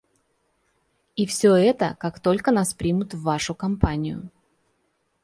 И все это − как только нас примут в вашу компанию.